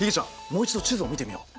もう一度地図を見てみよう。